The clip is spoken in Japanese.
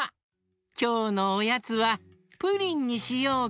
きょうのおやつはプリンにしようかなあ！